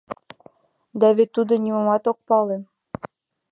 — Да вет тудо нимомат ок пале!